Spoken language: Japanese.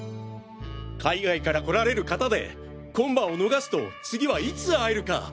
海外から来られる方で今晩を逃すと次はいつ会えるか。